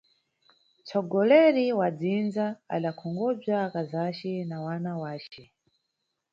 Mtsogoleri wa dzinza adakonkhobza akazace na wana wace.